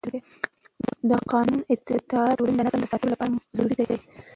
د قانون اطاعت د ټولنې د نظم د ساتلو لپاره ضروري دی